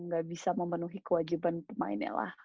nggak bisa memenuhi kewajiban pemainnya lah